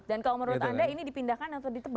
dan kalau menurut anda ini dipindahkan atau ditebang